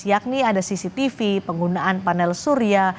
yakni ada cctv penggunaan panel surya